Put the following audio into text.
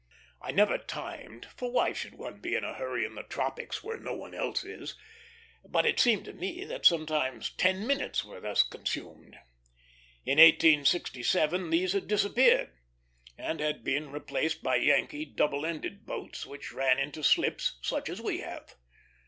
I never timed, for why should one be in a hurry in the tropics, where no one else is? but it seemed to me that sometimes ten minutes were thus consumed. In 1867 these had disappeared, and had been replaced by Yankee double ended boats, which ran into slips such as we have.